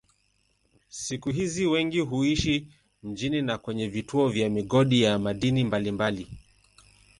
Siku hizi wengi huishi mjini na kwenye vituo vya migodi ya madini mbalimbali.